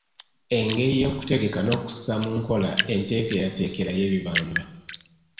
Engeri y'okutegeka n'okussa mu nkola enteekerateekera y'ebibamba.